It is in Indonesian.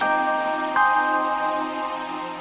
jangan lupa untuk mencoba